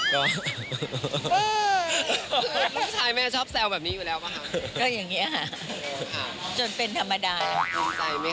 คุณชายแม่ชอบแซวแบบนี้อยู่แล้วไหมคะ